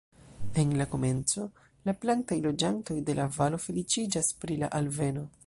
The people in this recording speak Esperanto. En la komenco, la plantaj loĝantoj de la valo feliĉiĝas pri la alveno.